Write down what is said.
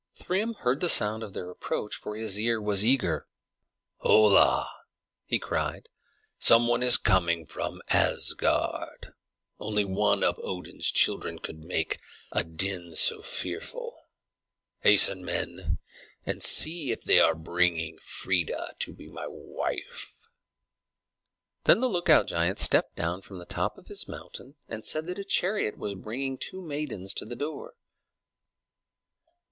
Thrym heard the sound of their approach, for his ear was eager. "Hola!" he cried. "Some one is coming from Asgard, only one of Odin's children could make a din so fearful. Hasten, men, and see if they are bringing Freia to be my wife." Then the lookout giant stepped down from the top of his mountain, and said that a chariot was bringing two maidens to the door.